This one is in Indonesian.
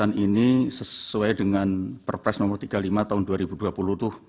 nah ini sesuai dengan perpres nomor tiga puluh lima tahun dua ribu dua puluh itu